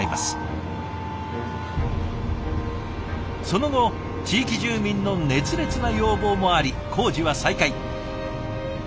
その後地域住民の熱烈な要望もあり工事は再開。